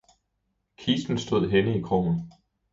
Kisten stod henne i krogen.